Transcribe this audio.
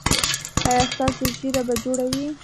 ایا ستاسو ږیره به جوړه وي؟